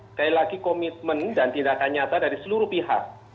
sekali lagi komitmen dan tindakan nyata dari seluruh pihak